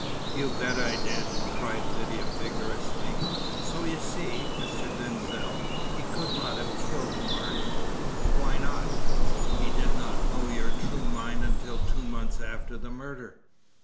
"You bet I did!" cried Lydia vigorously. "So you see, Mr. Denzil, he could not have killed Mark." "Why not? He did not know your true mind until two months after the murder."